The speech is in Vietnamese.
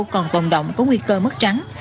còn còn động có nguy cơ mất trắng